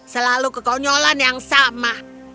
selalu kekonyolan yang sama